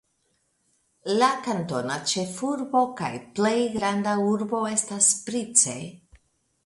La kantona ĉefurbo kaj plej granda urbo estas Price.